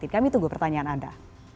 kami tunggu pertanyaan anda